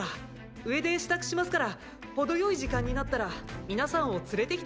上で支度しますからほどよい時間になったら皆さんを連れて来て下さいね。